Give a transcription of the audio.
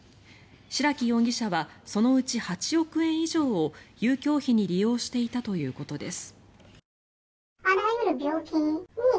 白木容疑者はそのうち８億円以上を遊興費に利用していたということです。